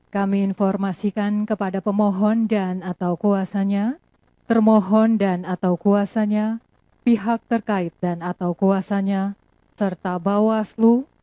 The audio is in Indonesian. kami informasikan kepada pemohon dan atau kuasanya termohon dan atau kuasanya pihak terkait dan atau kuasanya serta bawaslu